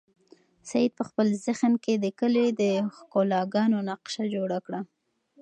سعید په خپل ذهن کې د کلي د ښکلاګانو نقشه جوړه کړه.